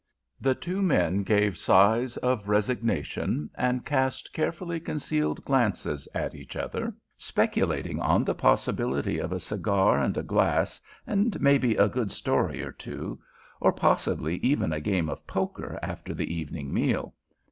The two men gave sighs of resignation, and cast carefully concealed glances at each other, speculating on the possibility of a cigar and a glass, and maybe a good story or two, or possibly even a game of poker after the evening meal.